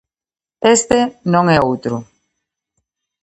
Este non é outro.